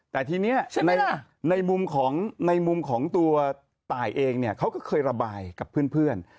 แต่ทีนี้ในมุมของในมุมของตัวตายเองเนี่ยเขาก็เคยระบายกับเพื่อน